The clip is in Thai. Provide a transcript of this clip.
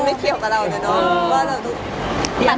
ไม่เกี่ยวกับเรา